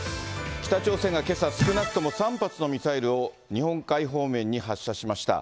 北朝鮮がけさ、少なくとも３発のミサイルを日本海方面に発射しました。